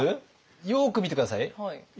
よく見て下さい。